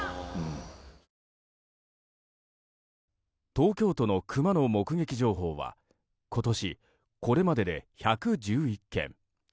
東京都のクマの目撃情報は今年、これまでで１１１件。